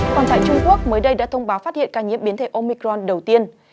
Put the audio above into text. còn tại trung quốc mới đây đã thông báo phát hiện ca nhiễm biến thể omicron đầu tiên